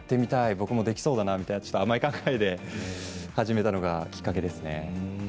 僕もできそうだなと甘い考えで始めたのがきっかけでした。